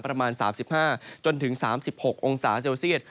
ประมาณ๓๕๓๖องศาเซลเซียด